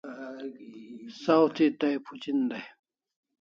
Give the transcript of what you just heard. Saw thi tai phuchin dai